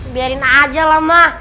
biarin aja lah ma